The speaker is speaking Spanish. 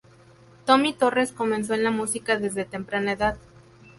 Tommy Torres, comenzó en la música desde temprana edad.